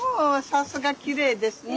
さすがきれいですね。